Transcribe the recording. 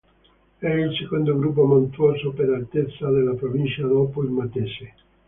È il secondo gruppo montuoso per altezza della provincia dopo il Matese.